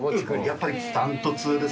やっぱり断トツですよね。